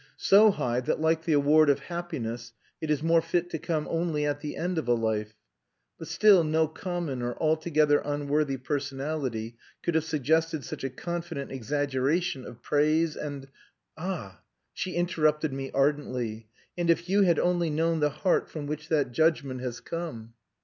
"So high that, like the award of happiness, it is more fit to come only at the end of a life. But still no common or altogether unworthy personality could have suggested such a confident exaggeration of praise and..." "Ah!" She interrupted me ardently. "And if you had only known the heart from which that judgment has come!"